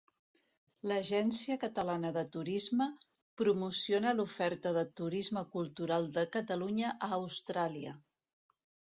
L'Agència Catalana de Turisme promociona l'oferta de turisme cultural de Catalunya a Austràlia.